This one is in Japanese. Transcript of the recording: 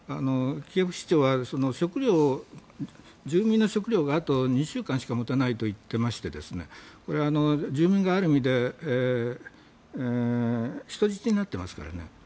キエフ市長は住民の食料があと２週間しか持たないと言っていまして住民がある意味で人質になっていますからね。